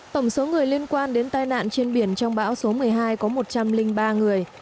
tổng số người liên quan đến tai nạn trên biển trong bão số một mươi hai có một trăm linh ba người